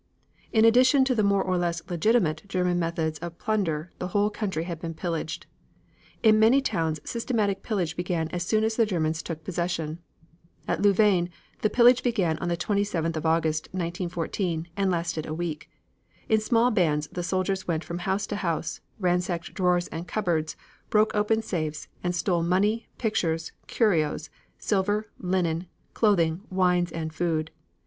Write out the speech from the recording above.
In addition to the more or less legitimate German methods of plunder the whole country had been pillaged. In many towns systematic pillage began as soon as the Germans took possession. At Louvain the pillage began on the 27th of August, 1914, and lasted a week. In small bands the soldiers went from house to house, ransacked drawers and cupboards, broke open safes, and stole money, pictures, curios, silver, linen, clothing, wines, and food.